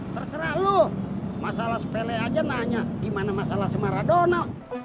terserah lu masalah sepele aja nanya gimana masalah semaradona